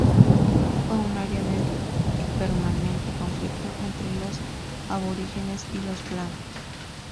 Fue un área de permanente conflicto entre los aborígenes y los blancos.